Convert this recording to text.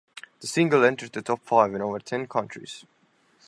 The single entered the top five in over ten countries.